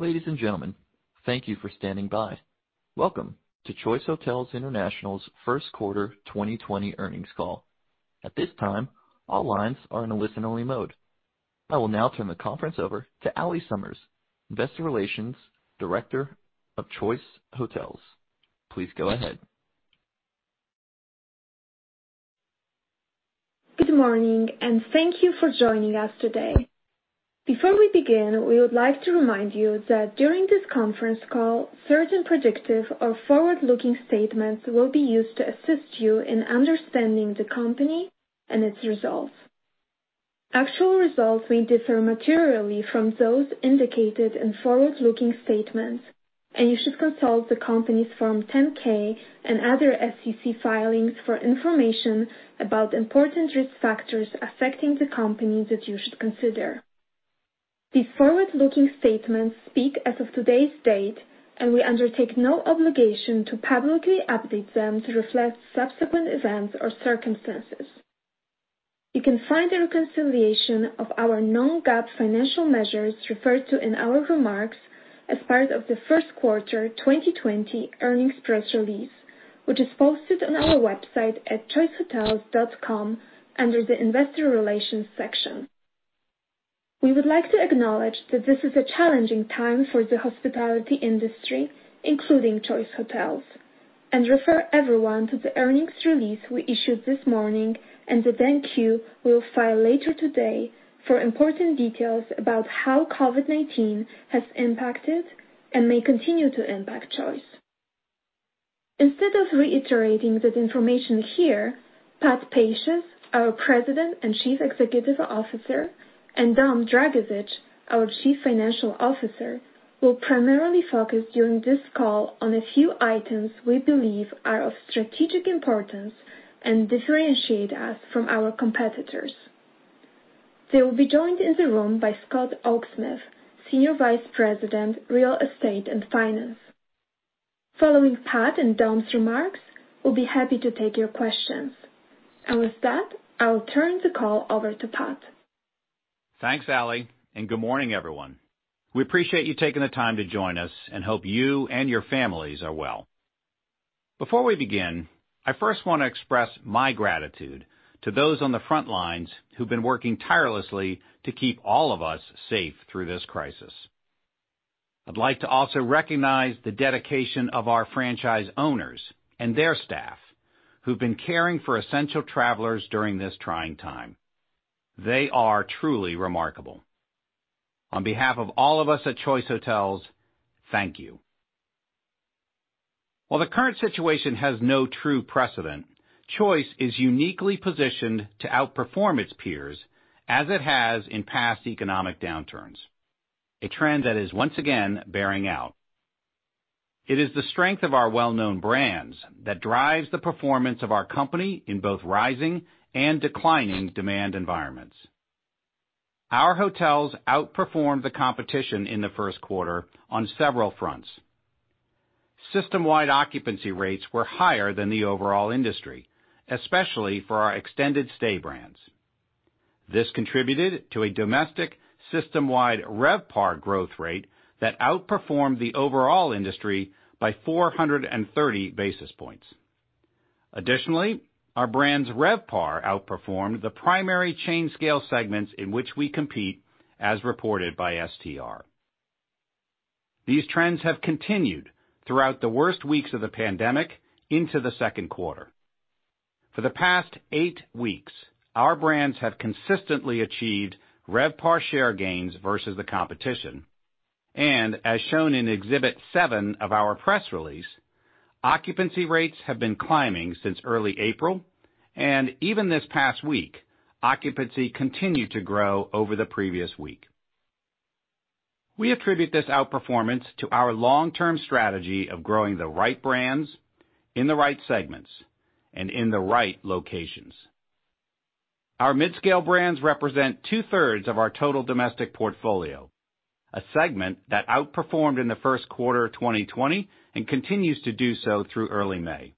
Ladies and gentlemen, thank you for standing by. Welcome to Choice Hotels International's first quarter 2020 earnings call. At this time, all lines are in a listen-only mode. I will now turn the conference over to Allie Summers, Investor Relations Director of Choice Hotels. Please go ahead. Good morning, and thank you for joining us today. Before we begin, we would like to remind you that during this conference call, certain predictive or forward-looking statements will be used to assist you in understanding the company and its results. Actual results may differ materially from those indicated in forward-looking statements, and you should consult the company's Form 10-K and other SEC filings for information about important risk factors affecting the company that you should consider. These forward-looking statements speak as of today's date, and we undertake no obligation to publicly update them to reflect subsequent events or circumstances. You can find a reconciliation of our non-GAAP financial measures referred to in our remarks as part of the first quarter 2020 earnings press release, which is posted on our website at choicehotels.com under the Investor Relations section. We would like to acknowledge that this is a challenging time for the hospitality industry, including Choice Hotels, and refer everyone to the earnings release we issued this morning and the 10-Q we will file later today for important details about how COVID-19 has impacted and may continue to impact Choice. Instead of reiterating that information here, Pat Pacious, our President and Chief Executive Officer, and Dom Dragisich, our Chief Financial Officer, will primarily focus during this call on a few items we believe are of strategic importance and differentiate us from our competitors. They will be joined in the room by Scott Oaksmith, Senior Vice President, Real Estate and Finance. Following Pat and Dom's remarks, we'll be happy to take your questions. With that, I'll turn the call over to Pat. Thanks, Allie, and good morning, everyone. We appreciate you taking the time to join us and hope you and your families are well. Before we begin, I first want to express my gratitude to those on the front lines who've been working tirelessly to keep all of us safe through this crisis. I'd like to also recognize the dedication of our franchise owners and their staff, who've been caring for essential travelers during this trying time. They are truly remarkable. On behalf of all of us at Choice Hotels, thank you. While the current situation has no true precedent, Choice is uniquely positioned to outperform its peers, as it has in past economic downturns, a trend that is once again bearing out. It is the strength of our well-known brands that drives the performance of our company in both rising and declining demand environments. Our hotels outperformed the competition in the first quarter on several fronts. System-wide occupancy rates were higher than the overall industry, especially for our extended stay brands. This contributed to a domestic system-wide RevPAR growth rate that outperformed the overall industry by 430 basis points. Additionally, our brand's RevPAR outperformed the primary chain scale segments in which we compete, as reported by STR. These trends have continued throughout the worst weeks of the pandemic into the second quarter. For the past 8 weeks, our brands have consistently achieved RevPAR share gains versus the competition, and as shown in Exhibit 7 of our press release, occupancy rates have been climbing since early April, and even this past week, occupancy continued to grow over the previous week. We attribute this outperformance to our long-term strategy of growing the right brands in the right segments and in the right locations. Our midscale brands represent two-thirds of our total domestic portfolio, a segment that outperformed in the first quarter of 2020 and continues to do so through early May.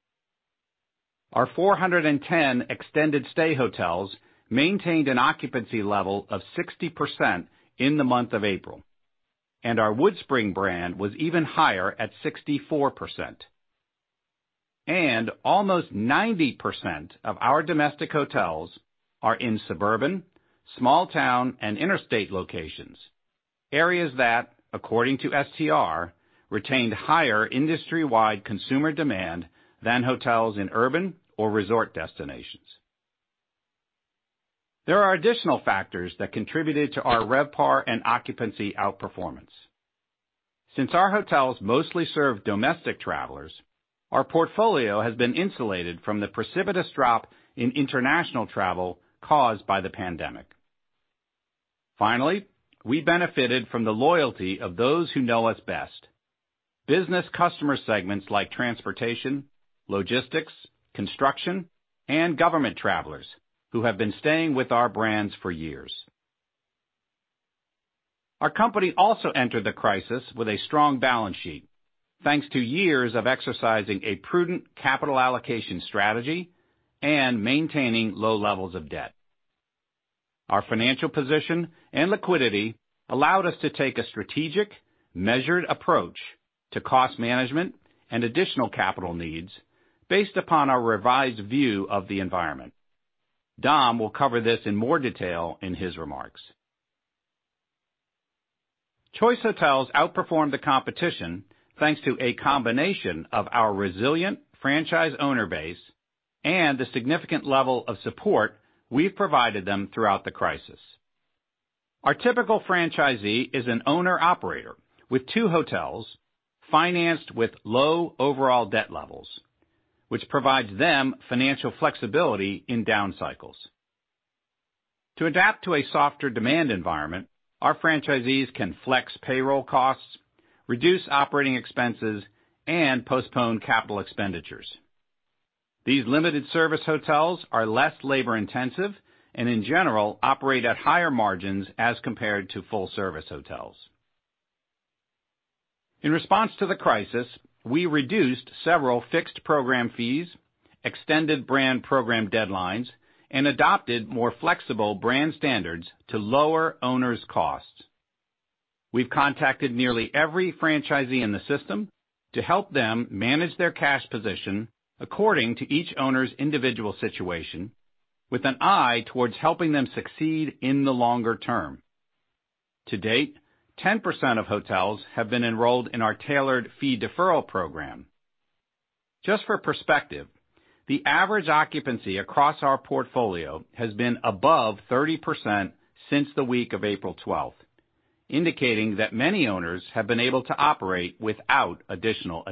Our 410 extended stay hotels maintained an occupancy level of 60% in the month of April, and our WoodSpring brand was even higher at 64%. Almost 90% of our domestic hotels are in suburban, small town, and interstate locations, areas that, according to STR, retained higher industry-wide consumer demand than hotels in urban or resort destinations. There are additional factors that contributed to our RevPAR and occupancy outperformance. Since our hotels mostly serve domestic travelers, our portfolio has been insulated from the precipitous drop in international travel caused by the pandemic. Finally, we benefited from the loyalty of those who know us best, business customer segments like transportation, logistics, construction, and government travelers who have been staying with our brands for years. Our company also entered the crisis with a strong balance sheet, thanks to years of exercising a prudent capital allocation strategy and maintaining low levels of debt. Our financial position and liquidity allowed us to take a strategic, measured approach to cost management and additional capital needs based upon our revised view of the environment. Dom will cover this in more detail in his remarks. Choice Hotels outperformed the competition, thanks to a combination of our resilient franchise owner base and the significant level of support we've provided them throughout the crisis. Our typical franchisee is an owner-operator with two hotels, financed with low overall debt levels, which provides them financial flexibility in down cycles. To adapt to a softer demand environment, our franchisees can flex payroll costs, reduce operating expenses, and postpone capital expenditures. These limited service hotels are less labor-intensive and, in general, operate at higher margins as compared to full-service hotels. In response to the crisis, we reduced several fixed program fees, extended brand program deadlines, and adopted more flexible brand standards to lower owners' costs. We've contacted nearly every franchisee in the system to help them manage their cash position according to each owner's individual situation, with an eye towards helping them succeed in the longer term. To date, 10% of hotels have been enrolled in our tailored fee deferral program. Just for perspective, the average occupancy across our portfolio has been above 30% since the week of April twelfth, indicating that many owners have been able to operate without additional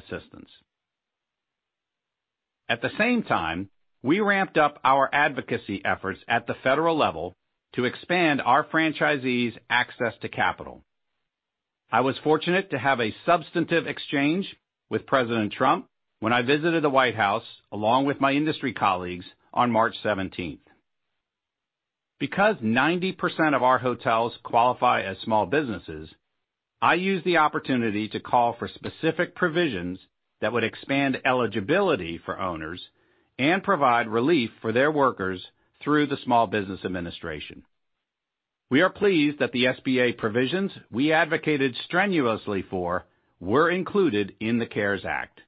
assistance. At the same time, we ramped up our advocacy efforts at the federal level to expand our franchisees' access to capital. I was fortunate to have a substantive exchange with President Trump when I visited the White House, along with my industry colleagues, on March seventeenth. Because 90% of our hotels qualify as small businesses, I used the opportunity to call for specific provisions that would expand eligibility for owners and provide relief for their workers through the Small Business Administration. We are pleased that the SBA provisions we advocated strenuously for were included in the CARES Act.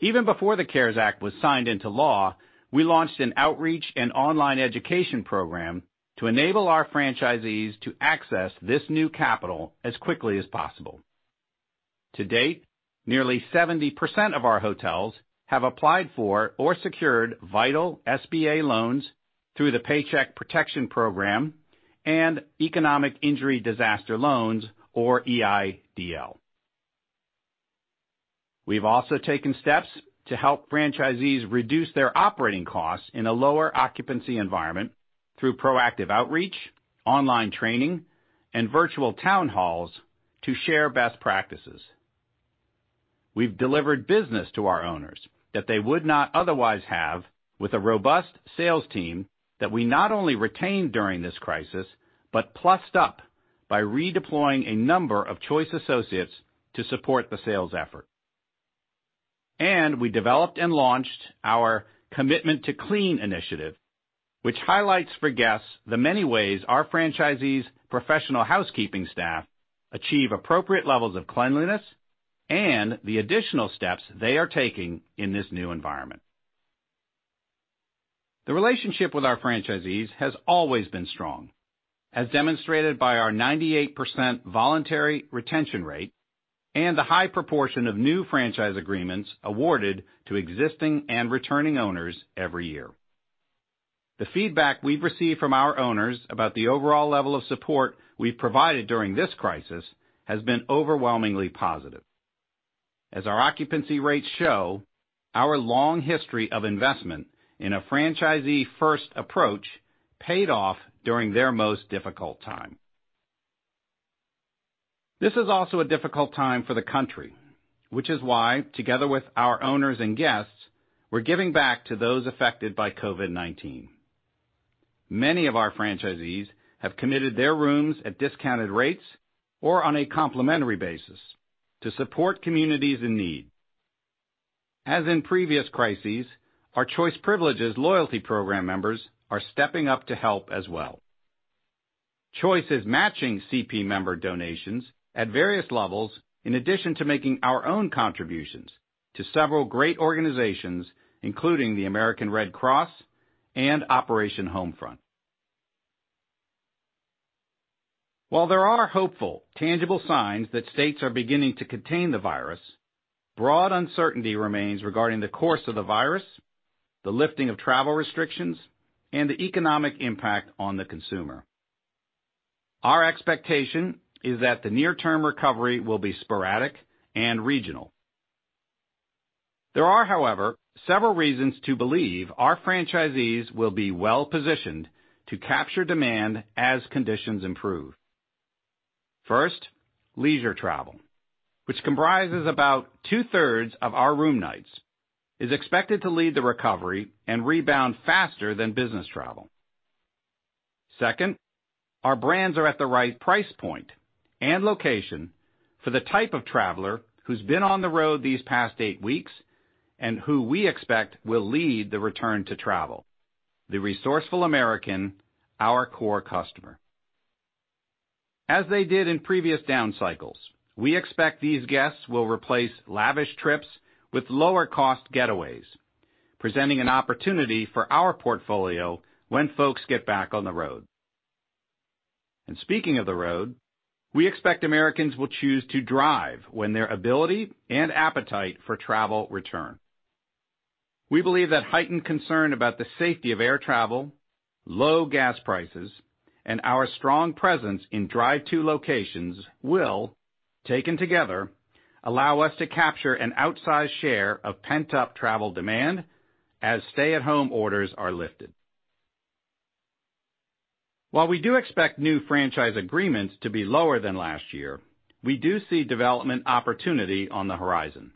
Even before the CARES Act was signed into law, we launched an outreach and online education program to enable our franchisees to access this new capital as quickly as possible. To date, nearly 70% of our hotels have applied for or secured vital SBA loans through the Paycheck Protection Program and Economic Injury Disaster Loans, or EIDL. We've also taken steps to help franchisees reduce their operating costs in a lower occupancy environment through proactive outreach, online training, and virtual town halls to share best practices. We've delivered business to our owners that they would not otherwise have, with a robust sales team that we not only retained during this crisis, but plussed up by redeploying a number of Choice associates to support the sales effort. We developed and launched our Commitment to Clean initiative, which highlights for guests the many ways our franchisees' professional housekeeping staff achieve appropriate levels of cleanliness and the additional steps they are taking in this new environment. The relationship with our franchisees has always been strong, as demonstrated by our 98% voluntary retention rate and the high proportion of new franchise agreements awarded to existing and returning owners every year. The feedback we've received from our owners about the overall level of support we've provided during this crisis has been overwhelmingly positive. As our occupancy rates show, our long history of investment in a franchisee-first approach paid off during their most difficult time. This is also a difficult time for the country, which is why, together with our owners and guests, we're giving back to those affected by COVID-19. Many of our franchisees have committed their rooms at discounted rates or on a complimentary basis to support communities in need. As in previous crises, our Choice Privileges loyalty program members are stepping up to help as well. Choice is matching CP member donations at various levels, in addition to making our own contributions to several great organizations, including the American Red Cross and Operation Homefront. While there are hopeful, tangible signs that states are beginning to contain the virus, broad uncertainty remains regarding the course of the virus, the lifting of travel restrictions, and the economic impact on the consumer. Our expectation is that the near-term recovery will be sporadic and regional. There are, however, several reasons to believe our franchisees will be well positioned to capture demand as conditions improve. First, leisure travel, which comprises about two-thirds of our room nights, is expected to lead the recovery and rebound faster than business travel.... Second, our brands are at the right price point and location for the type of traveler who's been on the road these past eight weeks, and who we expect will lead the return to travel, the resourceful American, our core customer. As they did in previous down cycles, we expect these guests will replace lavish trips with lower cost getaways, presenting an opportunity for our portfolio when folks get back on the road. And speaking of the road, we expect Americans will choose to drive when their ability and appetite for travel return. We believe that heightened concern about the safety of air travel, low gas prices, and our strong presence in drive-to locations will, taken together, allow us to capture an outsized share of pent-up travel demand as stay-at-home orders are lifted. While we do expect new franchise agreements to be lower than last year, we do see development opportunity on the horizon.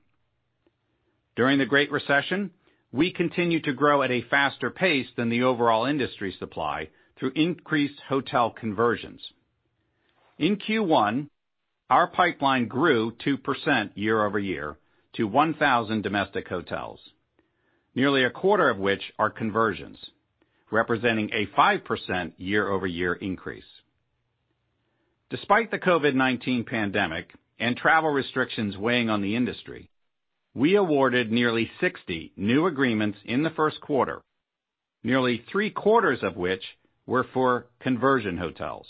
During the Great Recession, we continued to grow at a faster pace than the overall industry supply through increased hotel conversions. In Q1, our pipeline grew 2% year-over-year to 1,000 domestic hotels, nearly a quarter of which are conversions, representing a 5% year-over-year increase. Despite the COVID-19 pandemic and travel restrictions weighing on the industry, we awarded nearly 60 new agreements in the first quarter, nearly three-quarters of which were for conversion hotels.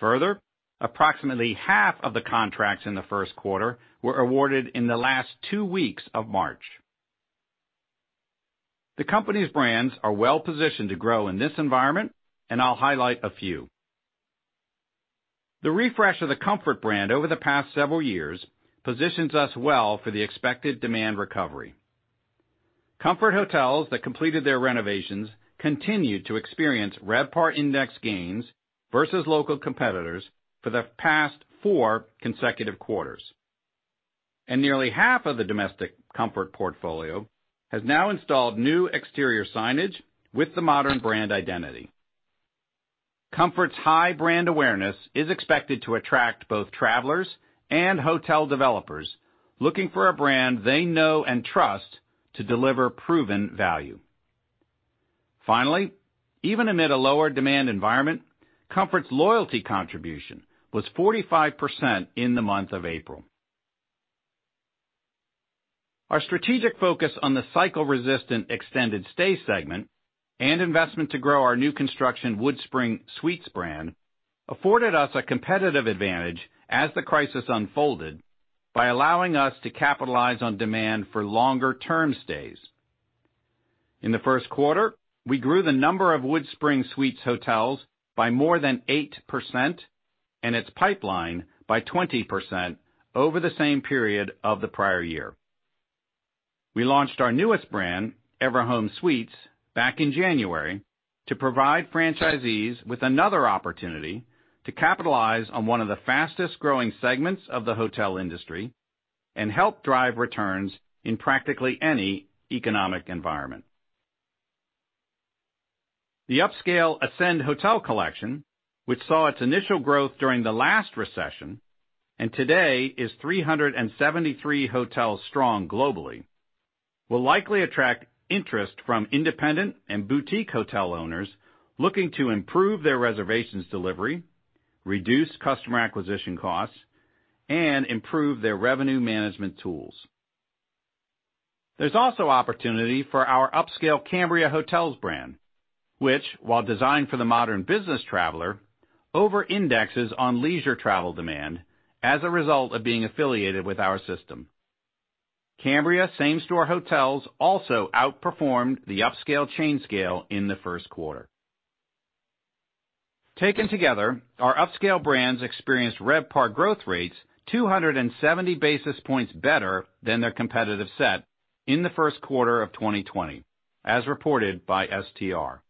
Further, approximately half of the contracts in the first quarter were awarded in the last two weeks of March. The company's brands are well positioned to grow in this environment, and I'll highlight a few. The refresh of the Comfort brand over the past several years positions us well for the expected demand recovery. Comfort Hotels that completed their renovations continued to experience RevPAR index gains versus local competitors for the past four consecutive quarters, and nearly half of the domestic Comfort portfolio has now installed new exterior signage with the modern brand identity. Comfort's high brand awareness is expected to attract both travelers and hotel developers looking for a brand they know and trust to deliver proven value. Finally, even amid a lower demand environment, Comfort's loyalty contribution was 45% in the month of April. Our strategic focus on the cycle-resistant extended stay segment and investment to grow our new construction WoodSpring Suites brand afforded us a competitive advantage as the crisis unfolded by allowing us to capitalize on demand for longer term stays. In the first quarter, we grew the number of WoodSpring Suites hotels by more than 8% and its pipeline by 20% over the same period of the prior year. We launched our newest brand, Everhome Suites, back in January to provide franchisees with another opportunity to capitalize on one of the fastest-growing segments of the hotel industry and help drive returns in practically any economic environment. The upscale Ascend Hotel Collection, which saw its initial growth during the last recession, and today is 373 hotels strong globally, will likely attract interest from independent and boutique hotel owners looking to improve their reservations delivery, reduce customer acquisition costs, and improve their revenue management tools. There's also opportunity for our upscale Cambria Hotels brand, which, while designed for the modern business traveler, overindexes on leisure travel demand as a result of being affiliated with our system. Cambria same-store hotels also outperformed the upscale chain scale in the first quarter. Taken together, our upscale brands experienced RevPAR growth rates 270 basis points better than their competitive set in the first quarter of 2020, as reported by STR.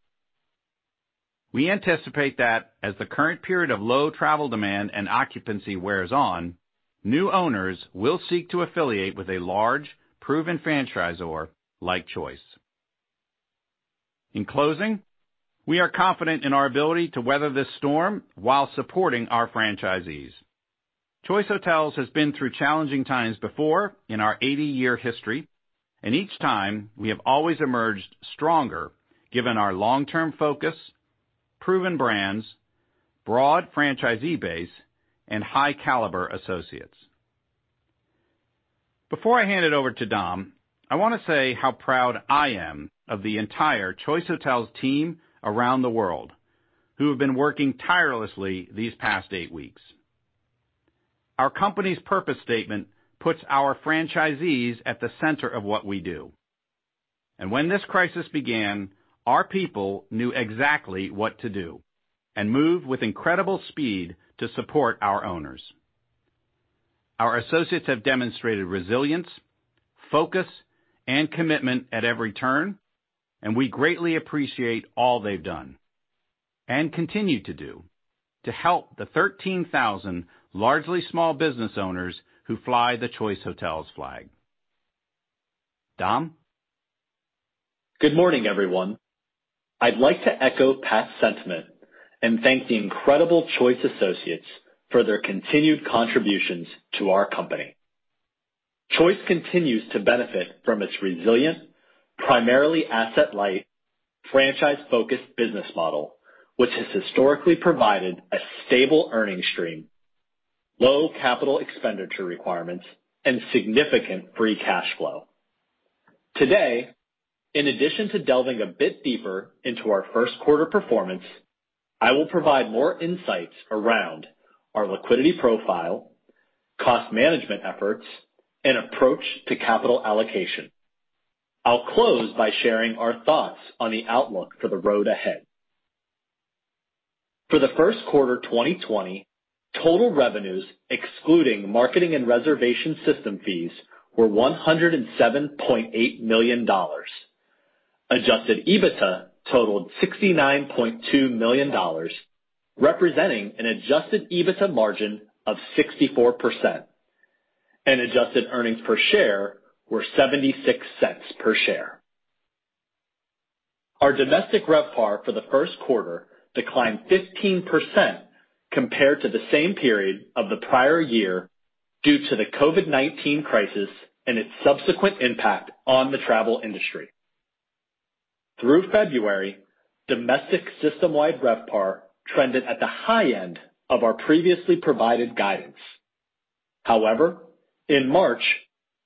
We anticipate that as the current period of low travel demand and occupancy wears on, new owners will seek to affiliate with a large, proven franchisor like Choice. In closing, we are confident in our ability to weather this storm while supporting our franchisees. Choice Hotels has been through challenging times before in our 80-year history, and each time, we have always emerged stronger, given our long-term focus, proven brands, broad franchisee base, and high caliber associates. Before I hand it over to Dom, I want to say how proud I am of the entire Choice Hotels team around the world, who have been working tirelessly these past eight weeks. Our company's purpose statement puts our franchisees at the center of what we do, and when this crisis began, our people knew exactly what to do and moved with incredible speed to support our owners. Our associates have demonstrated resilience, focus, and commitment at every turn, and we greatly appreciate all they've done and continue to do to help the 13,000 largely small business owners who fly the Choice Hotels flag.... Good morning, everyone. I'd like to echo Pat's sentiment and thank the incredible Choice associates for their continued contributions to our company. Choice continues to benefit from its resilient, primarily asset-light, franchise-focused business model, which has historically provided a stable earnings stream, low capital expenditure requirements, and significant free cash flow. Today, in addition to delving a bit deeper into our first quarter performance, I will provide more insights around our liquidity profile, cost management efforts, and approach to capital allocation. I'll close by sharing our thoughts on the outlook for the road ahead. For the first quarter, 2020, total revenues, excluding marketing and reservation system fees, were $107.8 million. Adjusted EBITDA totaled $69.2 million, representing an adjusted EBITDA margin of 64%, and adjusted earnings per share were $0.76 per share. Our domestic RevPAR for the first quarter declined 15% compared to the same period of the prior year due to the COVID-19 crisis and its subsequent impact on the travel industry. Through February, domestic system-wide RevPAR trended at the high end of our previously provided guidance. However, in March,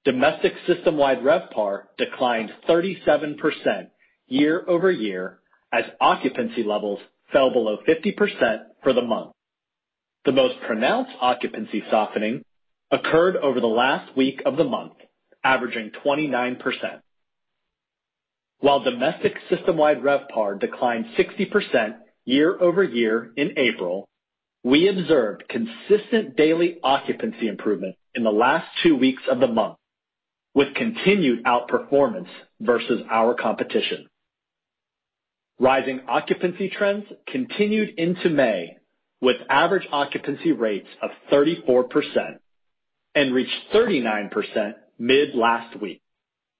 domestic system-wide RevPAR declined 37% year-over-year as occupancy levels fell below 50% for the month. The most pronounced occupancy softening occurred over the last week of the month, averaging 29%. While domestic system-wide RevPAR declined 60% year-over-year in April, we observed consistent daily occupancy improvement in the last two weeks of the month, with continued outperformance versus our competition. Rising occupancy trends continued into May, with average occupancy rates of 34% and reached 39% mid last week,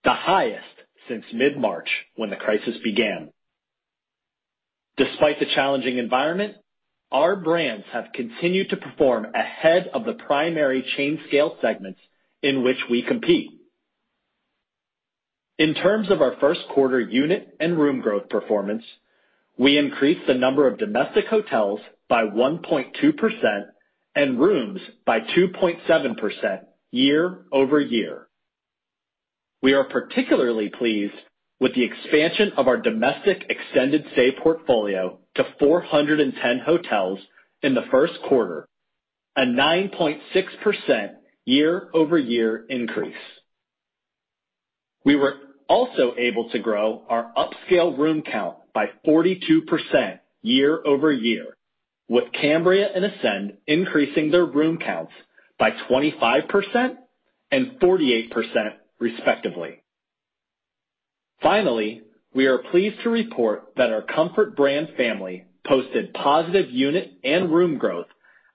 the highest since mid-March, when the crisis began. Despite the challenging environment, our brands have continued to perform ahead of the primary chain scale segments in which we compete. In terms of our first quarter unit and room growth performance, we increased the number of domestic hotels by 1.2% and rooms by 2.7% year-over-year. We are particularly pleased with the expansion of our domestic extended stay portfolio to 410 hotels in the first quarter, a 9.6% year-over-year increase. We were also able to grow our upscale room count by 42% year-over-year, with Cambria and Ascend increasing their room counts by 25% and 48%, respectively. Finally, we are pleased to report that our Comfort brand family posted positive unit and room growth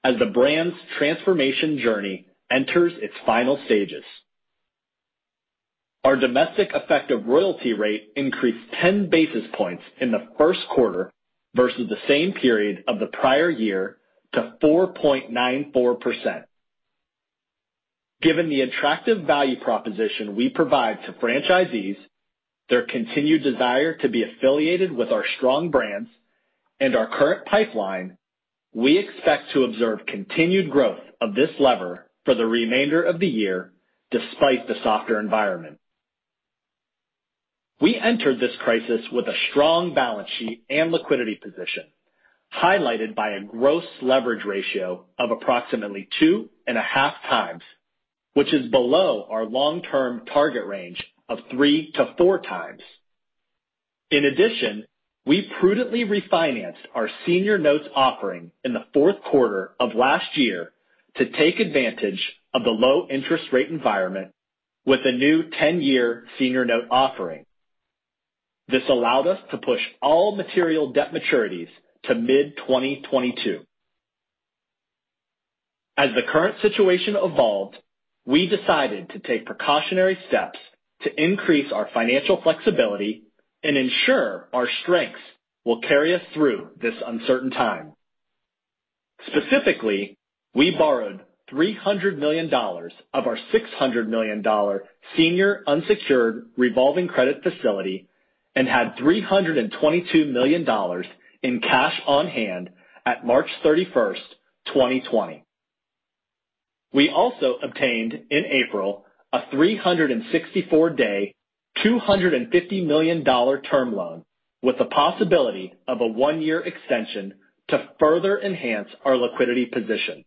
as the brand's transformation journey enters its final stages. Our domestic effective royalty rate increased 10 basis points in the first quarter versus the same period of the prior year to 4.94%. Given the attractive value proposition we provide to franchisees, their continued desire to be affiliated with our strong brands, and our current pipeline, we expect to observe continued growth of this lever for the remainder of the year despite the softer environment. We entered this crisis with a strong balance sheet and liquidity position, highlighted by a gross leverage ratio of approximately 2.5 times, which is below our long-term target range of 3-4 times. In addition, we prudently refinanced our senior notes offering in the fourth quarter of last year to take advantage of the low interest rate environment with a new 10-year senior note offering. This allowed us to push all material debt maturities to mid-2022. As the current situation evolved, we decided to take precautionary steps to increase our financial flexibility and ensure our strengths will carry us through this uncertain time. Specifically, we borrowed $300 million of our $600 million senior unsecured revolving credit facility and had $322 million in cash on hand at March 31, 2020. We also obtained, in April, a 364-day, $250 million term loan, with the possibility of a 1-year extension, to further enhance our liquidity position.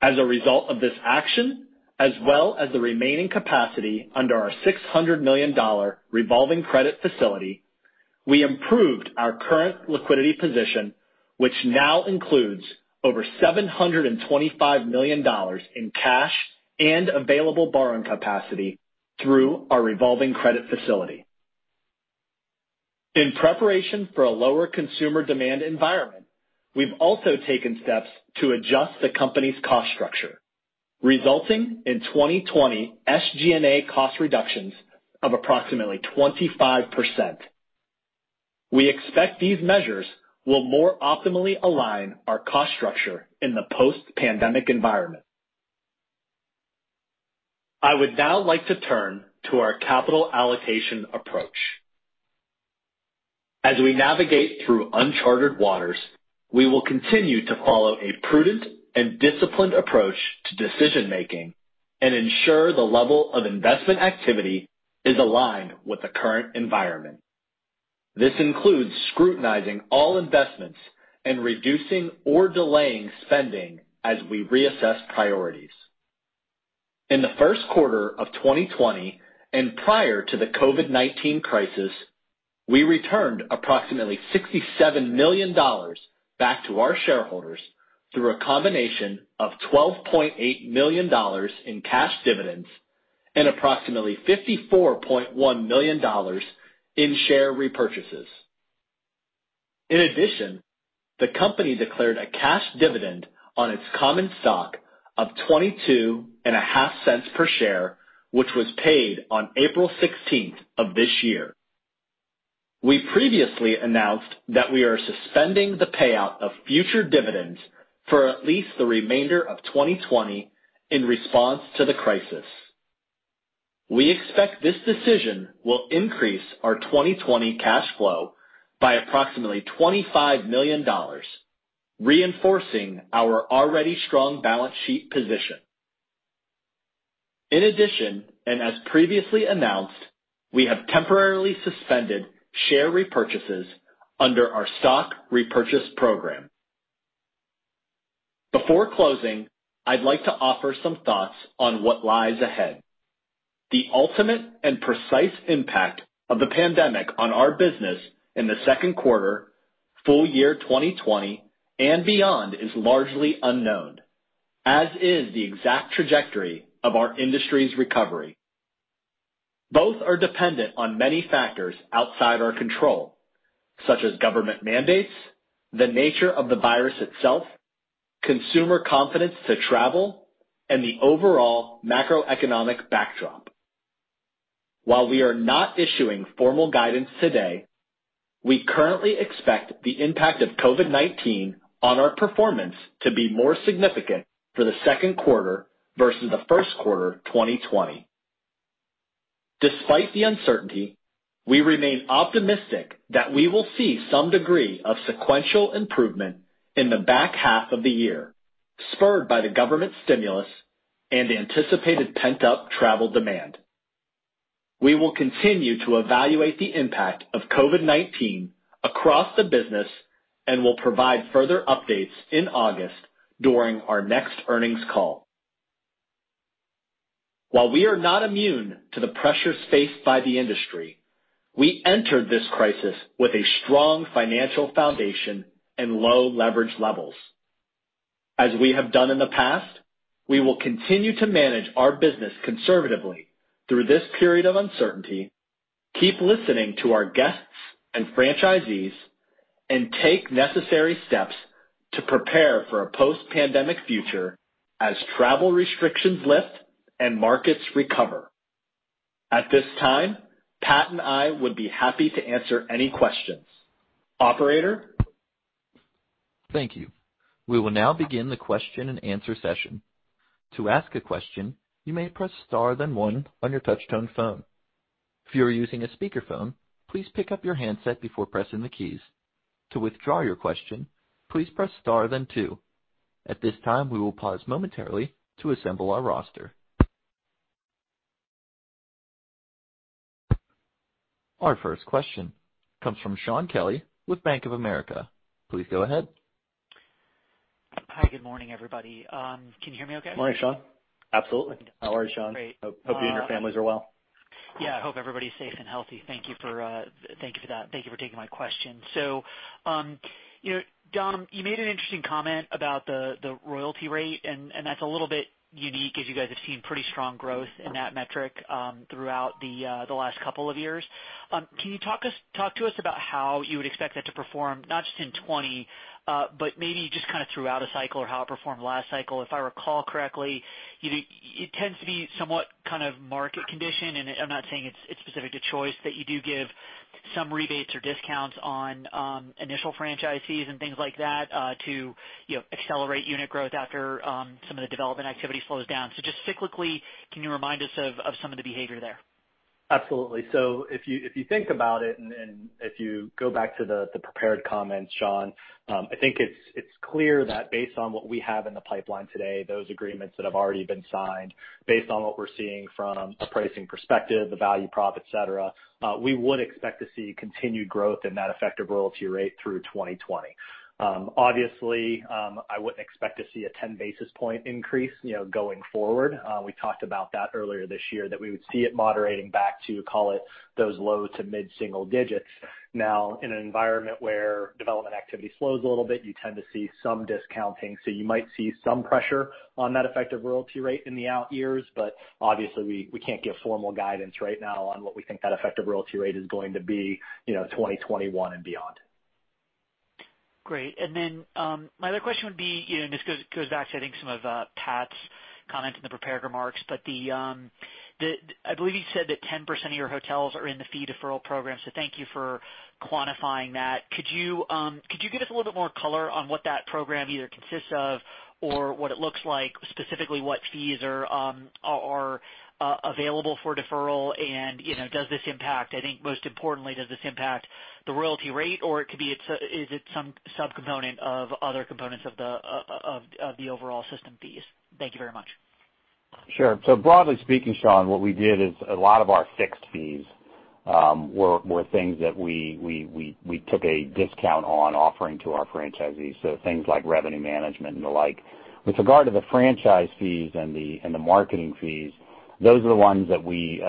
As a result of this action, as well as the remaining capacity under our $600 million revolving credit facility, we improved our current liquidity position, which now includes over $725 million in cash and available borrowing capacity through our revolving credit facility. In preparation for a lower consumer demand environment, we've also taken steps to adjust the company's cost structure, resulting in 2020 SG&A cost reductions of approximately 25%. We expect these measures will more optimally align our cost structure in the post-pandemic environment. I would now like to turn to our capital allocation approach. As we navigate through uncharted waters, we will continue to follow a prudent and disciplined approach to decision making and ensure the level of investment activity is aligned with the current environment. This includes scrutinizing all investments and reducing or delaying spending as we reassess priorities. In the first quarter of 2020, and prior to the COVID-19 crisis, we returned approximately $67 million back to our shareholders through a combination of $12.8 million in cash dividends and approximately $54.1 million in share repurchases. In addition, the company declared a cash dividend on its common stock of $0.225 per share, which was paid on April 16 of this year. We previously announced that we are suspending the payout of future dividends for at least the remainder of 2020 in response to the crisis. We expect this decision will increase our 2020 cash flow by approximately $25 million, reinforcing our already strong balance sheet position. In addition, and as previously announced, we have temporarily suspended share repurchases under our stock repurchase program. Before closing, I'd like to offer some thoughts on what lies ahead. The ultimate and precise impact of the pandemic on our business in the second quarter, full year 2020 and beyond, is largely unknown, as is the exact trajectory of our industry's recovery. Both are dependent on many factors outside our control, such as government mandates, the nature of the virus itself, consumer confidence to travel, and the overall macroeconomic backdrop. While we are not issuing formal guidance today, we currently expect the impact of COVID-19 on our performance to be more significant for the second quarter versus the first quarter, 2020. Despite the uncertainty, we remain optimistic that we will see some degree of sequential improvement in the back half of the year, spurred by the government stimulus and anticipated pent-up travel demand. We will continue to evaluate the impact of COVID-19 across the business and will provide further updates in August during our next earnings call. While we are not immune to the pressures faced by the industry, we entered this crisis with a strong financial foundation and low leverage levels. As we have done in the past, we will continue to manage our business conservatively through this period of uncertainty, keep listening to our guests and franchisees, and take necessary steps to prepare for a post-pandemic future as travel restrictions lift and markets recover. At this time, Pat and I would be happy to answer any questions. Operator? Thank you. We will now begin the question-and-answer session. To ask a question, you may press star then one on your touchtone phone. If you are using a speakerphone, please pick up your handset before pressing the keys. To withdraw your question, please press star then two. At this time, we will pause momentarily to assemble our roster. Our first question comes from Shaun Kelley with Bank of America. Please go ahead. Hi, good morning, everybody. Can you hear me okay? Morning, Shaun. Absolutely. How are you, Shaun? Great. Hope you and your families are well. Yeah, I hope everybody's safe and healthy. Thank you for, thank you for that. Thank you for taking my question. So, you know, Dom, you made an interesting comment about the, the royalty rate, and, and that's a little bit unique, as you guys have seen pretty strong growth in that metric, throughout the, the last couple of years. Can you talk to us about how you would expect that to perform, not just in 2020, but maybe just kind of throughout a cycle or how it performed last cycle? If I recall correctly, you, it tends to be somewhat kind of market condition, and I'm not saying it's, it's specific to Choice, but you do give some rebates or discounts on initial franchisees and things like that, to, you know, accelerate unit growth after some of the development activity slows down. So just cyclically, can you remind us of, of some of the behavior there? Absolutely. So if you think about it, and if you go back to the prepared comments, Shaun, I think it's clear that based on what we have in the pipeline today, those agreements that have already been signed, based on what we're seeing from a pricing perspective, the value prop, et cetera, we would expect to see continued growth in that effective royalty rate through 2020. Obviously, I wouldn't expect to see a 10 basis point increase, you know, going forward. We talked about that earlier this year, that we would see it moderating back to, call it, those low to mid single digits. Now, in an environment where development activity slows a little bit, you tend to see some discounting. So you might see some pressure on that effective royalty rate in the out years, but obviously, we can't give formal guidance right now on what we think that effective royalty rate is going to be, you know, 2021 and beyond.... Great. And then, my other question would be, you know, and this goes back to, I think, some of Pat's comments in the prepared remarks, but the I believe you said that 10% of your hotels are in the fee deferral program, so thank you for quantifying that. Could you give us a little bit more color on what that program either consists of or what it looks like, specifically, what fees are available for deferral? And, you know, does this impact, I think most importantly, does this impact the royalty rate, or it could be it's is it some subcomponent of other components of the overall system fees? Thank you very much. Sure. So broadly speaking, Shaun, what we did is a lot of our fixed fees were things that we took a discount on offering to our franchisees, so things like revenue management and the like. With regard to the franchise fees and the marketing fees, those are the ones that we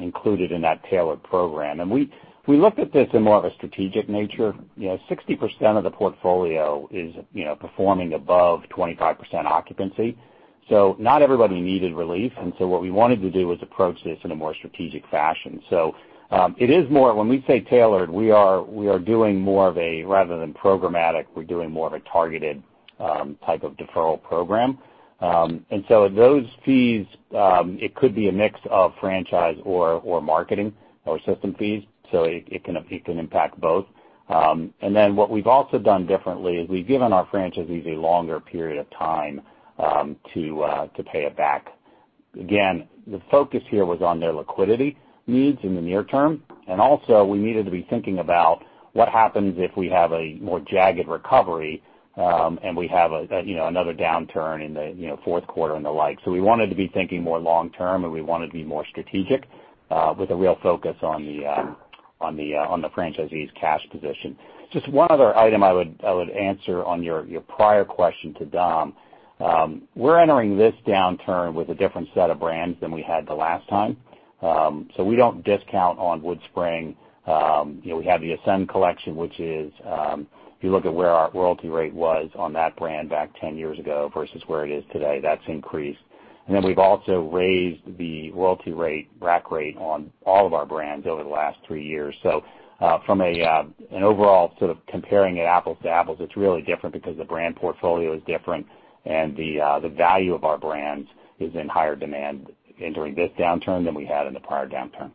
included in that tailored program. And we looked at this in more of a strategic nature. You know, 60% of the portfolio is, you know, performing above 25% occupancy, so not everybody needed relief. And so what we wanted to do was approach this in a more strategic fashion. So, it is more... When we say tailored, we are doing more of a, rather than programmatic, we're doing more of a targeted type of deferral program. And so those fees, it could be a mix of franchise or marketing or system fees, so it can impact both. And then what we've also done differently is we've given our franchisees a longer period of time to pay it back. Again, the focus here was on their liquidity needs in the near term, and also we needed to be thinking about what happens if we have a more jagged recovery, and we have a, you know, another downturn in the, you know, fourth quarter and the like. So we wanted to be thinking more long term, and we wanted to be more strategic, with a real focus on the franchisee's cash position. Just one other item I would answer on your prior question to Dom. We're entering this downturn with a different set of brands than we had the last time. So we don't discount on WoodSpring. You know, we have the Ascend Collection, which is, if you look at where our royalty rate was on that brand back 10 years ago versus where it is today, that's increased. And then we've also raised the royalty rate, rack rate, on all of our brands over the last 3 years. So, from an overall sort of comparing it apples to apples, it's really different because the brand portfolio is different and the value of our brands is in higher demand entering this downturn than we had in the prior downturn.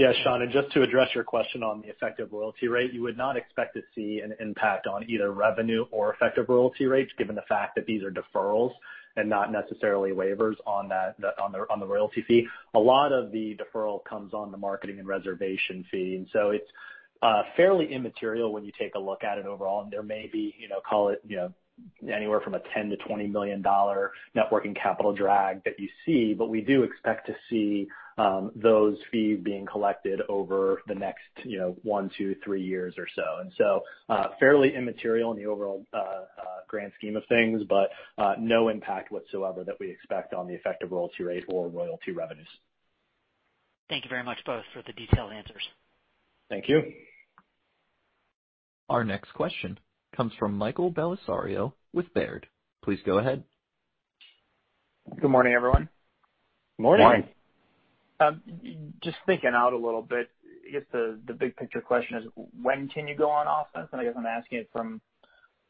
Yeah, Shaun, and just to address your question on the effective royalty rate, you would not expect to see an impact on either revenue or effective royalty rates, given the fact that these are deferrals and not necessarily waivers on that, on the royalty fee. A lot of the deferral comes on the marketing and reservation fee, and so it's fairly immaterial when you take a look at it overall. And there may be, you know, call it, you know, anywhere from a $10-$20 million working capital drag that you see, but we do expect to see those fees being collected over the next, you know, 1, 2, 3 years or so. And so, fairly immaterial in the overall grand scheme of things, but no impact whatsoever that we expect on the effective royalty rate or royalty revenues. Thank you very much, both, for the detailed answers. Thank you. Our next question comes from Michael Bellisario with Baird. Please go ahead. Good morning, everyone. Morning! Morning. Just thinking out a little bit, I guess the big picture question is: When can you go on offense? And I guess I'm asking it from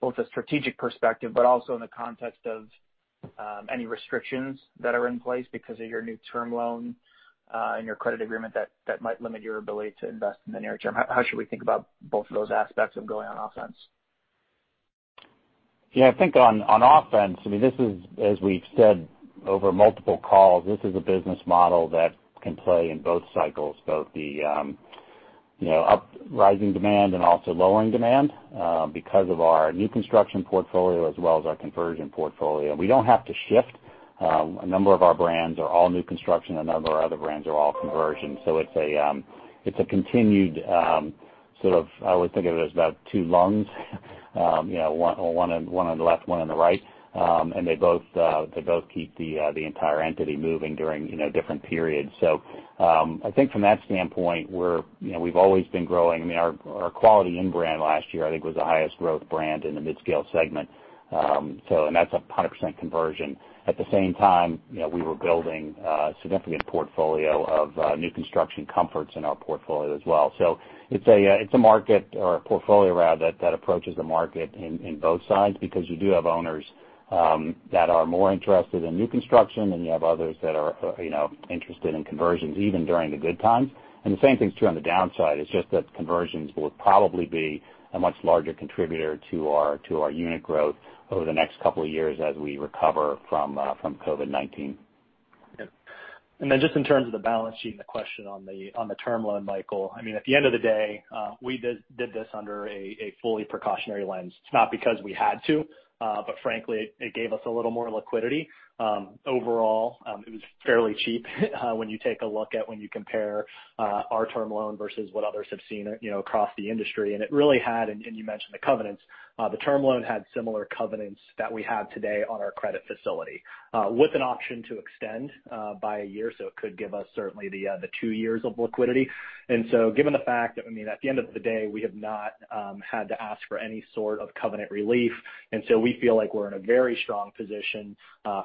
both a strategic perspective, but also in the context of any restrictions that are in place because of your new term loan and your credit agreement that might limit your ability to invest in the near term. How should we think about both of those aspects of going on offense? Yeah, I think on offense, I mean, this is, as we've said over multiple calls, this is a business model that can play in both cycles, both the, you know, uprising demand and also lowering demand, because of our new construction portfolio as well as our conversion portfolio. We don't have to shift. A number of our brands are all new construction, a number of our other brands are all conversion. So it's a continued sort of... I would think of it as about two lungs, you know, one on the left, one on the right, and they both keep the entire entity moving during, you know, different periods. So, I think from that standpoint, we're, you know, we've always been growing. I mean, our Quality Inn brand last year, I think, was the highest growth brand in the midscale segment. And that's 100% conversion. At the same time, you know, we were building a significant portfolio of new construction Comforts in our portfolio as well. So it's a market or a portfolio, rather, that approaches the market in both sides, because you do have owners that are more interested in new construction, and you have others that are, you know, interested in conversions, even during the good times. And the same thing's true on the downside. It's just that conversions will probably be a much larger contributor to our unit growth over the next couple of years as we recover from COVID-19. Yep. And then just in terms of the balance sheet and the question on the term loan, Michael, I mean, at the end of the day, we did this under a fully precautionary lens. It's not because we had to, but frankly, it gave us a little more liquidity. Overall, it was fairly cheap when you take a look at when you compare our term loan versus what others have seen, you know, across the industry. And it really had, and you mentioned the covenants, the term loan had similar covenants that we have today on our credit facility, with an option to extend by a year, so it could give us certainly the two years of liquidity. Given the fact that, I mean, at the end of the day, we have not had to ask for any sort of covenant relief, and so we feel like we're in a very strong position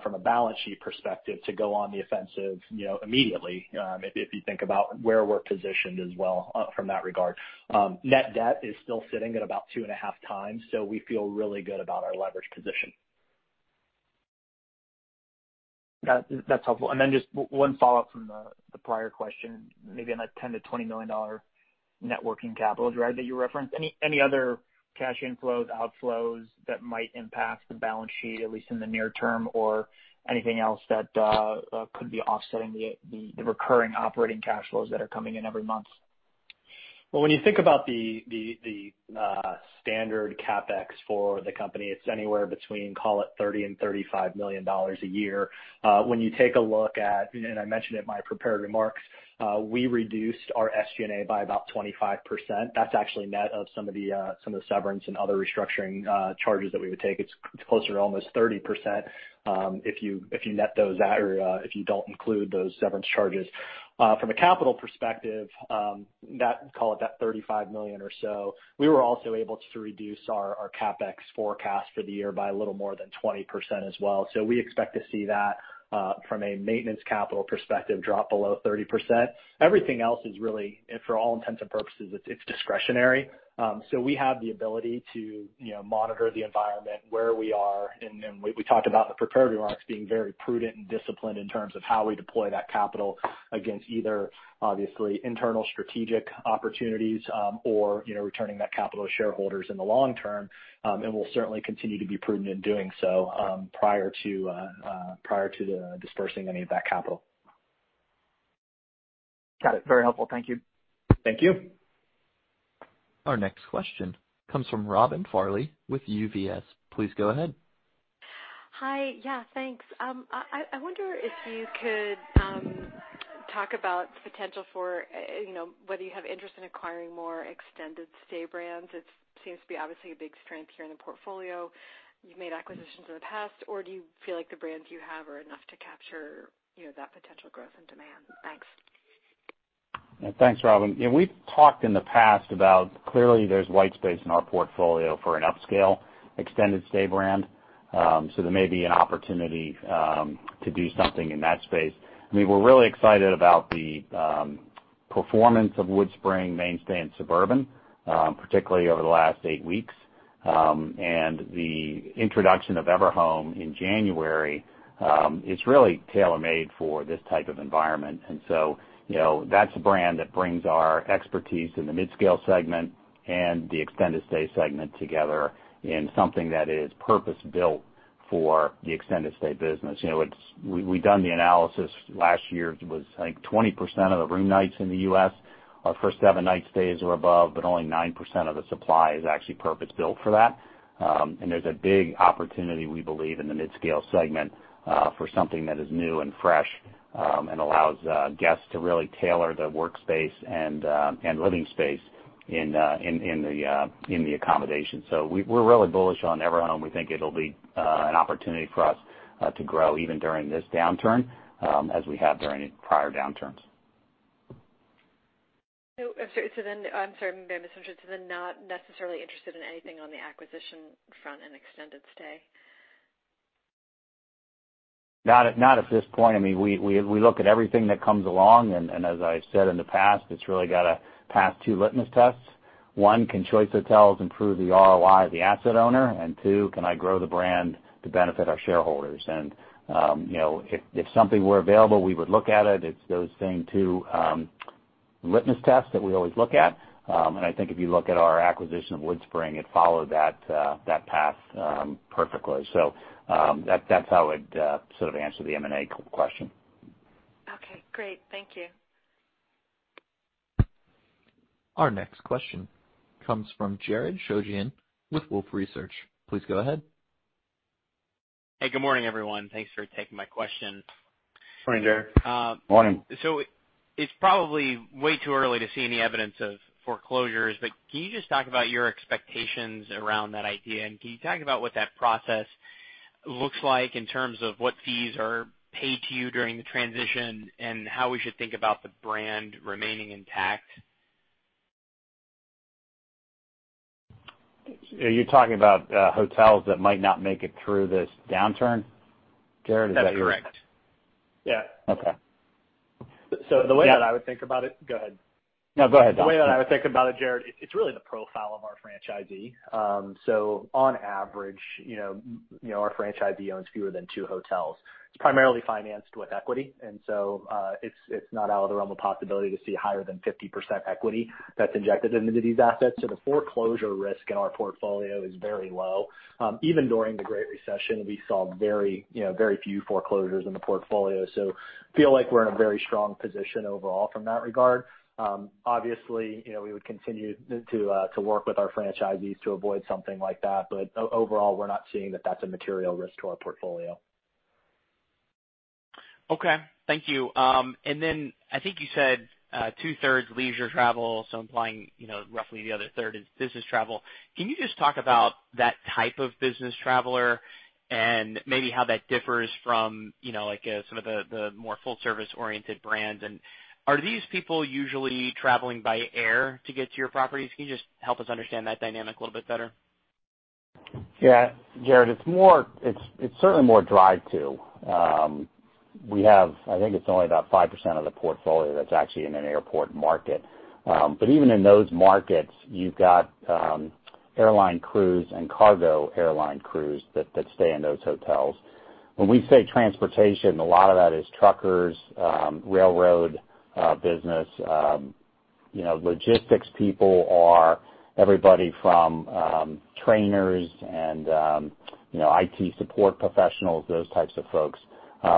from a balance sheet perspective to go on the offensive, you know, immediately, if you think about where we're positioned as well from that regard. Net debt is still sitting at about 2.5 times, so we feel really good about our leverage position.... That, that's helpful. And then just one follow-up from the prior question, maybe on that $10-$20 million net working capital drag that you referenced. Any other cash inflows, outflows that might impact the balance sheet, at least in the near term, or anything else that could be offsetting the recurring operating cash flows that are coming in every month? Well, when you think about the standard CapEx for the company, it's anywhere between, call it, $30-$35 million a year. When you take a look at, and I mentioned it in my prepared remarks, we reduced our SG&A by about 25%. That's actually net of some of the severance and other restructuring charges that we would take. It's closer to almost 30%, if you net those out or if you don't include those severance charges. From a capital perspective, that, call it that $35 million or so, we were also able to reduce our CapEx forecast for the year by a little more than 20% as well. So we expect to see that from a maintenance capital perspective, drop below 30%. Everything else is really, for all intents and purposes, it's discretionary. So we have the ability to, you know, monitor the environment where we are. And we talked about in the prepared remarks being very prudent and disciplined in terms of how we deploy that capital against either obviously internal strategic opportunities, or, you know, returning that capital to shareholders in the long term. And we'll certainly continue to be prudent in doing so, prior to dispersing any of that capital. Got it. Very helpful. Thank you. Thank you. Our next question comes from Robin Farley with UBS. Please go ahead. Hi. Yeah, thanks. I wonder if you could talk about the potential for, you know, whether you have interest in acquiring more extended stay brands. It seems to be obviously a big strength here in the portfolio. You've made acquisitions in the past, or do you feel like the brands you have are enough to capture, you know, that potential growth and demand? Thanks. Thanks, Robin. Yeah, we've talked in the past about clearly there's white space in our portfolio for an upscale extended stay brand. So there may be an opportunity to do something in that space. I mean, we're really excited about the performance of WoodSpring, MainStay, and Suburban, particularly over the last eight weeks. And the introduction of Everhome in January is really tailor-made for this type of environment. And so, you know, that's a brand that brings our expertise in the midscale segment and the extended stay segment together in something that is purpose-built for the extended stay business. You know, we've done the analysis. Last year, it was, I think, 20% of the room nights in the U.S. are first seven night stays or above, but only 9% of the supply is actually purpose-built for that. There's a big opportunity, we believe, in the midscale segment, for something that is new and fresh, and allows guests to really tailor their workspace and living space in the accommodation. So we're really bullish on Everhome. We think it'll be an opportunity for us to grow even during this downturn, as we have during prior downturns. So then, I'm sorry, maybe I misunderstood. So then not necessarily interested in anything on the acquisition front and extended stay? Not at this point. I mean, we look at everything that comes along, and as I've said in the past, it's really got to pass two litmus tests. One, can Choice Hotels improve the ROI of the asset owner? And two, can I grow the brand to benefit our shareholders? And, you know, if something were available, we would look at it. It's those same two litmus tests that we always look at. And I think if you look at our acquisition of WoodSpring, it followed that path perfectly. So, that's how I'd sort of answer the M&A question. Okay, great. Thank you. Our next question comes from Jared Shojaian with Wolfe Research. Please go ahead. Hey, good morning, everyone. Thanks for taking my question. Morning, Jared. Morning. It's probably way too early to see any evidence of foreclosures, but can you just talk about your expectations around that idea? And can you talk about what that process looks like in terms of what fees are paid to you during the transition, and how we should think about the brand remaining intact? Are you talking about hotels that might not make it through this downturn, Jared? Is that- That's correct. Yeah. Okay. So the way that I would think about it... Go ahead. No, go ahead, Dom. The way that I would think about it, Jared, it's really the profile of our franchisee. So on average, you know, you know, our franchisee owns fewer than two hotels. It's primarily financed with equity, and so, it's not out of the realm of possibility to see higher than 50% equity that's injected into these assets. So the foreclosure risk in our portfolio is very low. Even during the Great Recession, we saw very, you know, very few foreclosures in the portfolio, so feel like we're in a very strong position overall from that regard. Obviously, you know, we would continue to work with our franchisees to avoid something like that, but overall, we're not seeing that that's a material risk to our portfolio. Okay. Thank you. And then I think you said, 2/3 leisure travel, so implying, you know, roughly the other 1/3 is business travel. Can you just talk about that type of business traveler and maybe how that differs from, you know, like, some of the more full service-oriented brands? And are these people usually traveling by air to get to your properties? Can you just help us understand that dynamic a little bit better? Yeah, Jared, it's certainly more drive to. We have, I think it's only about 5% of the portfolio that's actually in an airport market. But even in those markets, you've got airline crews and cargo airline crews that stay in those hotels. When we say transportation, a lot of that is truckers, railroad business, you know, logistics people are everybody from trainers and you know, IT support professionals, those types of folks.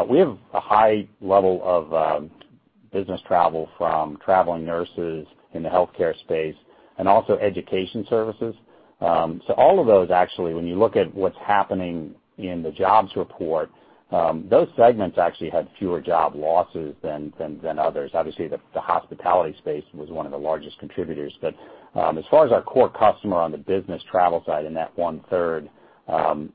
We have a high level of business travel from traveling nurses in the healthcare space and also education services. So all of those, actually, when you look at what's happening in the jobs report, those segments actually had fewer job losses than others. Obviously, the hospitality space was one of the largest contributors, but as far as our core customer on the business travel side, in that one third,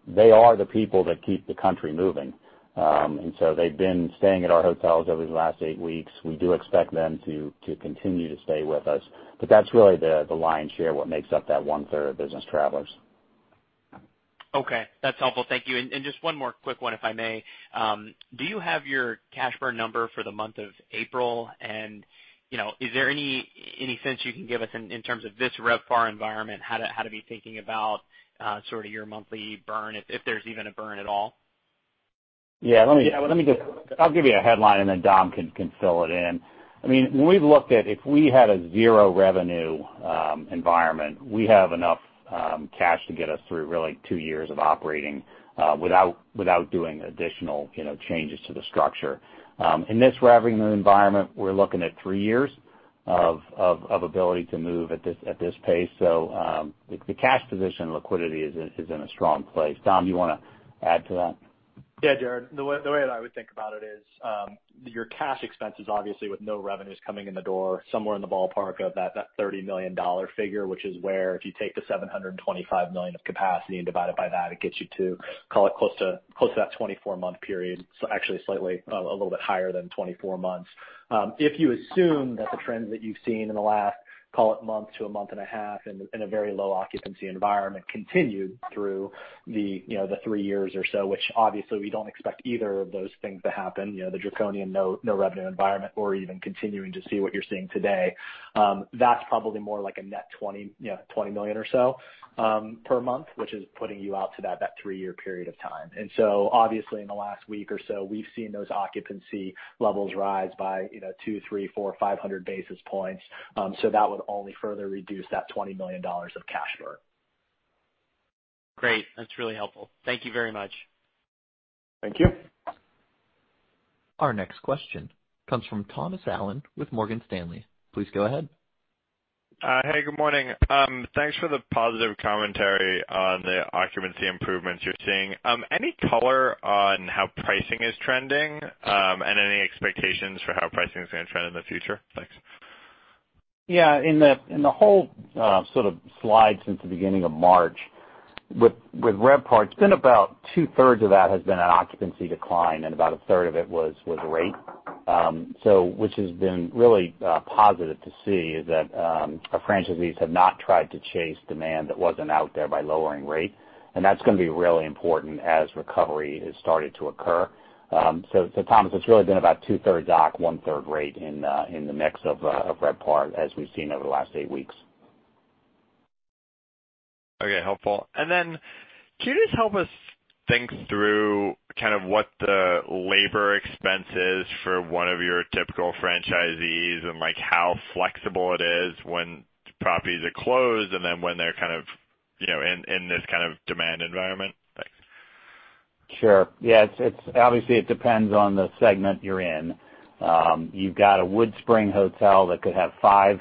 they are the people that keep the country moving. And so they've been staying at our hotels over the last eight weeks. We do expect them to continue to stay with us, but that's really the lion's share of what makes up that one third of business travelers. Okay, that's helpful. Thank you. And just one more quick one, if I may. Do you have your cash burn number for the month of April? And, you know, is there any sense you can give us in terms of this RevPAR environment, how to be thinking about sort of your monthly burn, if there's even a burn at all? Yeah, let me- Yeah, let me- Let me just... I'll give you a headline, and then Dom can fill it in. I mean, when we've looked at if we had a zero revenue environment, we have enough cash to get us through really 2 years of operating without doing additional, you know, changes to the structure. In this revenue environment, we're looking at 3 years of ability to move at this pace. So, the cash position liquidity is in a strong place. Dom, you wanna add to that? Yeah, Jared, the way that I would think about it is, your cash expenses, obviously with no revenues coming in the door, somewhere in the ballpark of that $30 million figure, which is where if you take the $725 million of capacity and divide it by that, it gets you to call it close to that 24-month period. So actually slightly, a little bit higher than 24 months. If you assume that the trends that you've seen in the last, call it month to a month and a half, in a very low occupancy environment, continued through the, you know, the three years or so, which obviously we don't expect either of those things to happen, you know, the draconian no revenue environment or even continuing to see what you're seeing today, that's probably more like a net 20, you know, 20 million or so, per month, which is putting you out to that three-year period of time. And so obviously, in the last week or so, we've seen those occupancy levels rise by, you know, 200-500 basis points. So that would only further reduce that $20 million of cash burn. Great. That's really helpful. Thank you very much. Thank you. Our next question comes from Thomas Allen with Morgan Stanley. Please go ahead. Hey, good morning. Thanks for the positive commentary on the occupancy improvements you're seeing. Any color on how pricing is trending, and any expectations for how pricing is gonna trend in the future? Thanks. Yeah, in the, in the whole sort of slide since the beginning of March, with, with RevPAR, it's been about two-thirds of that has been an occupancy decline, and about a third of it was rate. So which has been really positive to see is that our franchisees have not tried to chase demand that wasn't out there by lowering rate, and that's gonna be really important as recovery has started to occur. So Thomas, it's really been about two-thirds occ, one-third rate in the mix of RevPAR as we've seen over the last 8 weeks. Okay. Helpful. And then can you just help us think through kind of what the labor expense is for one of your typical franchisees and, like, how flexible it is when properties are closed, and then when they're kind of, you know, in this kind of demand environment? Thanks. Sure. Yeah, it's obviously it depends on the segment you're in. You've got a WoodSpring hotel that could have five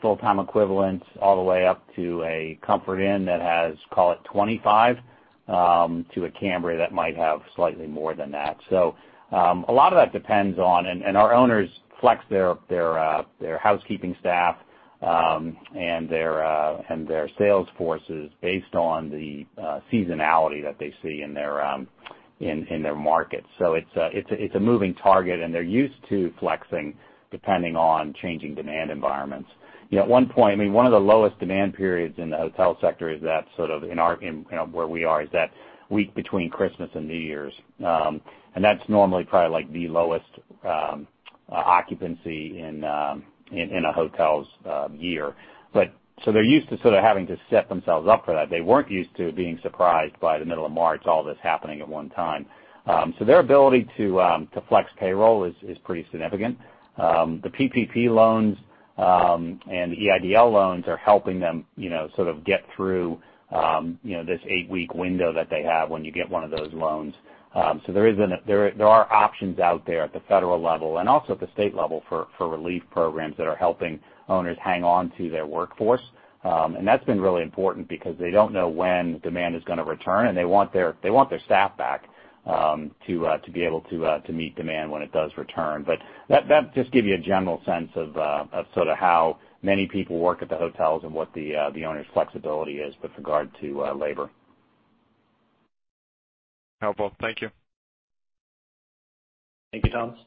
full-time equivalents, all the way up to a Comfort Inn that has, call it, 25, to a Cambria that might have slightly more than that. So a lot of that depends on our owners flex their housekeeping staff and their sales forces based on the seasonality that they see in their markets. So it's a moving target, and they're used to flexing depending on changing demand environments. You know, at one point, I mean, one of the lowest demand periods in the hotel sector is that sort of in our, you know, where we are, is that week between Christmas and New Year's. And that's normally probably, like, the lowest occupancy in a hotel's year. But so they're used to sort of having to set themselves up for that. They weren't used to being surprised by the middle of March, all this happening at one time. So their ability to flex payroll is pretty significant. The PPP loans and EIDL loans are helping them, you know, sort of get through, you know, this 8-week window that they have when you get one of those loans. So there are options out there at the federal level and also at the state level for relief programs that are helping owners hang on to their workforce. And that's been really important because they don't know when demand is gonna return, and they want their staff back to be able to meet demand when it does return. But that just give you a general sense of sort of how many people work at the hotels and what the owners' flexibility is with regard to labor. Helpful. Thank you. Thank you, Thomas.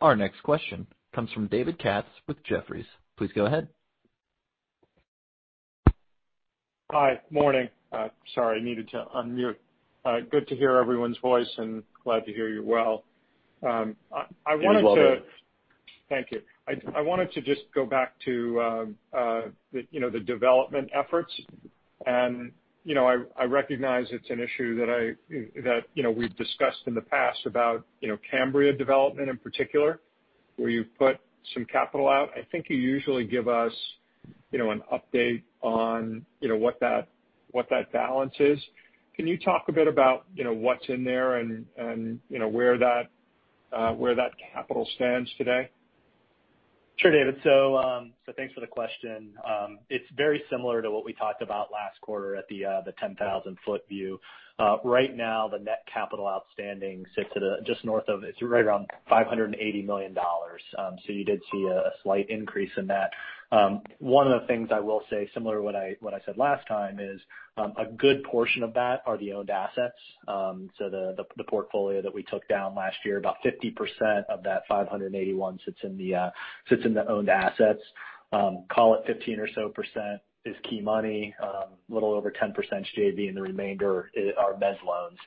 Our next question comes from David Katz with Jefferies. Please go ahead.... Hi, morning. Sorry, I needed to unmute. Good to hear everyone's voice, and glad to hear you're well. I wanted to- You as well, David. Thank you. I wanted to just go back to the development efforts. You know, I recognize it's an issue that we've discussed in the past about Cambria development in particular, where you've put some capital out. I think you usually give us an update on what that balance is. Can you talk a bit about what's in there and where that capital stands today? Sure, David. So, thanks for the question. It's very similar to what we talked about last quarter at the 10,000-foot view. Right now, the net capital outstanding sits at just north of. It's right around $580 million. So you did see a slight increase in that. One of the things I will say, similar to what I said last time, is a good portion of that are the owned assets. So the portfolio that we took down last year, about 50% of that $581 million sits in the owned assets. Call it 15% or so is key money, a little over 10% JV, and the remainder is mezz loans.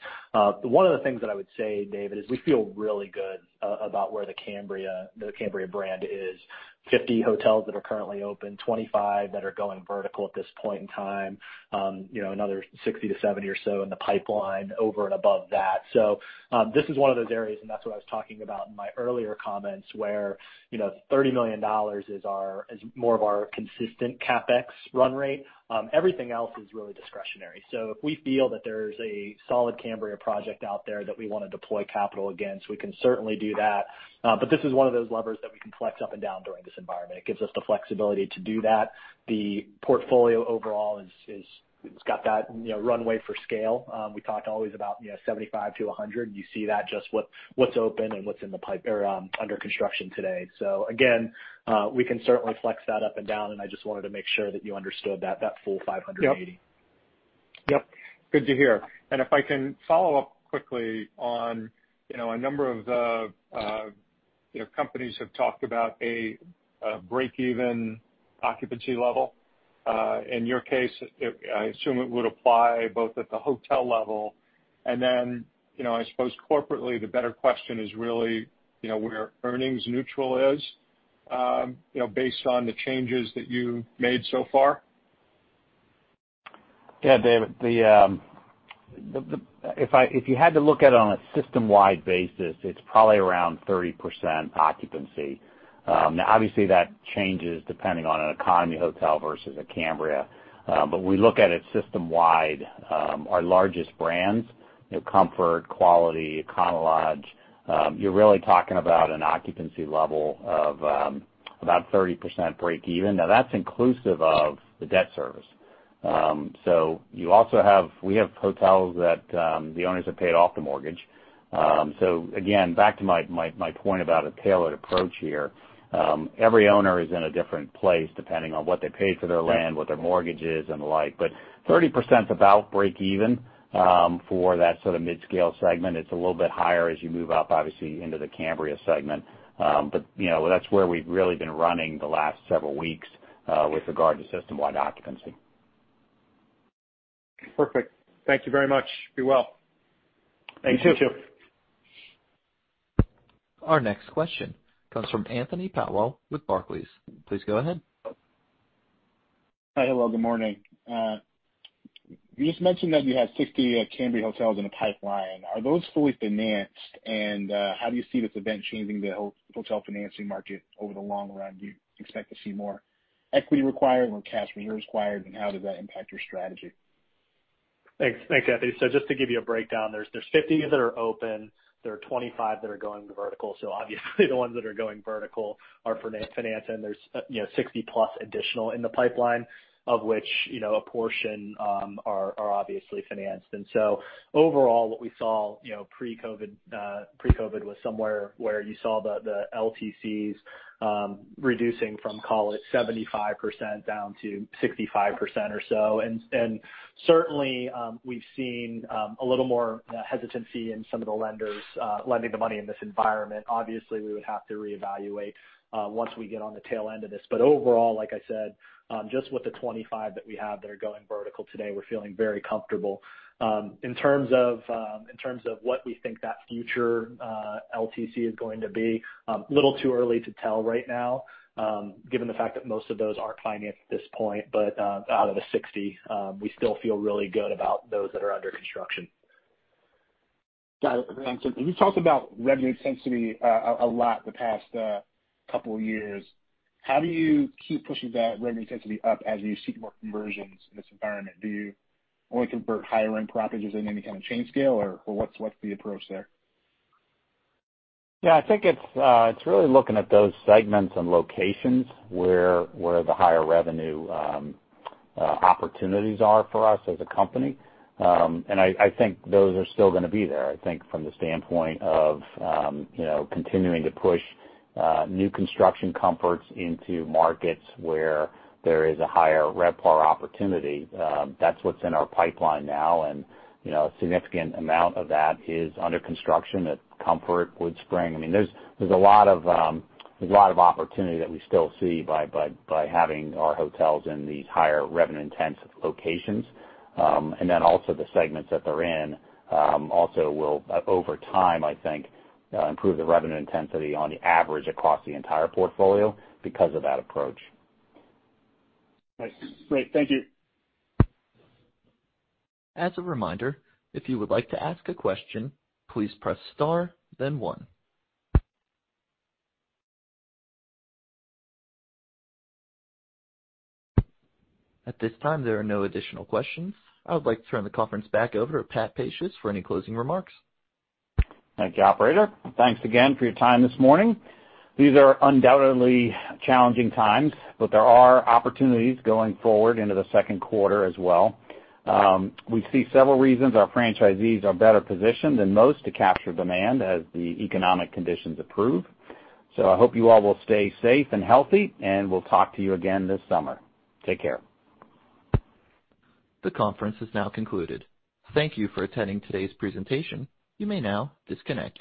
One of the things that I would say, David, is we feel really good about where the Cambria, the Cambria brand is. 50 hotels that are currently open, 25 that are going vertical at this point in time. You know, another 60-70 or so in the pipeline over and above that. So, this is one of those areas, and that's what I was talking about in my earlier comments, where, you know, $30 million is our... is more of our consistent CapEx run rate. Everything else is really discretionary. So if we feel that there's a solid Cambria project out there that we wanna deploy capital against, we can certainly do that. But this is one of those levers that we can flex up and down during this environment. It gives us the flexibility to do that. The portfolio overall is, it's got that, you know, runway for scale. We talked always about, you know, 75-100. You see that, just what's open and what's in the pipe or under construction today. So again, we can certainly flex that up and down, and I just wanted to make sure that you understood that full 580. Yep. Yep, good to hear. If I can follow up quickly on, you know, a number of companies have talked about a break-even occupancy level. In your case, I assume it would apply both at the hotel level and then, you know, I suppose corporately, the better question is really, you know, where earnings neutral is, you know, based on the changes that you've made so far? Yeah, David, the... If you had to look at it on a system-wide basis, it's probably around 30% occupancy. Now obviously, that changes depending on an economy hotel versus a Cambria. But we look at it system-wide, our largest brands, you know, Comfort, Quality, Econo Lodge, you're really talking about an occupancy level of about 30% break even. Now, that's inclusive of the debt service. So you also have- we have hotels that the owners have paid off the mortgage. So again, back to my point about a tailored approach here. Every owner is in a different place, depending on what they paid for their land, what their mortgage is, and the like. But 30%'s about break even for that sort of mid-scale segment. It's a little bit higher as you move up, obviously, into the Cambria segment. But, you know, that's where we've really been running the last several weeks, with regard to system-wide occupancy. Perfect. Thank you very much. Be well. Thank you. You, too. Our next question comes from Anthony Powell with Barclays. Please go ahead. Hi, hello, good morning. You just mentioned that you had 60 Cambria hotels in the pipeline. Are those fully financed? And how do you see this event changing the hotel financing market over the long run? Do you expect to see more equity required or cash reserves required, and how does that impact your strategy? Thanks. Thanks, Anthony. So just to give you a breakdown, there's 50 that are open, there are 25 that are going vertical. So obviously, the ones that are going vertical are financed, and there's you know, 60+ additional in the pipeline, of which, you know, a portion are obviously financed. And so overall, what we saw, you know, pre-COVID, was somewhere where you saw the LTCs reducing from, call it 75% down to 65% or so. And certainly, we've seen a little more hesitancy in some of the lenders lending the money in this environment. Obviously, we would have to reevaluate once we get on the tail end of this. But overall, like I said, just with the 25 that we have that are going vertical today, we're feeling very comfortable. In terms of what we think that future LTC is going to be, a little too early to tell right now, given the fact that most of those aren't financed at this point. But, out of the 60, we still feel really good about those that are under construction. Got it. You talked about revenue intensity a lot the past couple of years. How do you keep pushing that revenue intensity up as you seek more conversions in this environment? Do you only convert higher end properties within any kind of chain scale, or what's the approach there? Yeah, I think it's really looking at those segments and locations where the higher revenue opportunities are for us as a company. And I think those are still gonna be there, I think, from the standpoint of, you know, continuing to push new construction Comforts into markets where there is a higher RevPAR opportunity. That's what's in our pipeline now, and, you know, a significant amount of that is under construction at Comfort, WoodSpring. I mean, there's a lot of opportunity that we still see by having our hotels in these higher revenue-intensive locations. And then also the segments that they're in also will, over time, I think, improve the revenue intensity on the average across the entire portfolio because of that approach. Right. Great. Thank you. As a reminder, if you would like to ask a question, please press star, then one. At this time, there are no additional questions. I would like to turn the conference back over to Pat Pacious for any closing remarks. Thank you, operator. Thanks again for your time this morning. These are undoubtedly challenging times, but there are opportunities going forward into the second quarter as well. We see several reasons our franchisees are better positioned than most to capture demand as the economic conditions improve. So I hope you all will stay safe and healthy, and we'll talk to you again this summer. Take care. The conference is now concluded. Thank you for attending today's presentation. You may now disconnect.